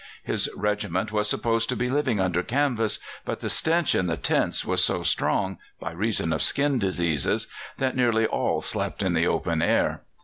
His regiment was supposed to be living under canvas, but the stench in the tents was so strong, by reason of skin diseases, that nearly all slept in the open air.